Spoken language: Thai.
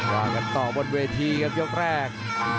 ว่ากันต่อบนเวทีครับยกแรก